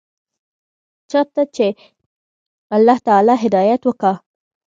چا ته چې الله تعالى هدايت وکا.